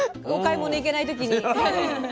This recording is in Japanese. お買い物行けない時に。